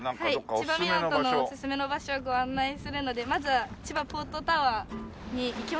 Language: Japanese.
千葉みなとのおすすめの場所をご案内するのでまずは千葉ポートタワーに行きましょう。